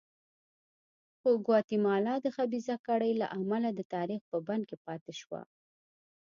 خو ګواتیمالا د خبیثه کړۍ له امله د تاریخ په بند کې پاتې شوه.